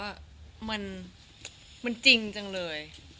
จะรักเธอเพียงคนเดียว